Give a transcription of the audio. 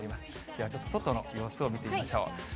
では、ちょっと外の様子を見てみましょう。